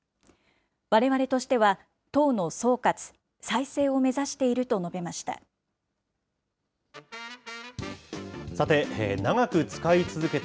われわれとしては、党の総括、再生を目指していると述べました。